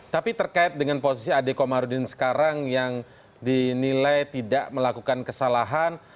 tapi terkait dengan posisi ade komarudin sekarang yang dinilai tidak melakukan kesalahan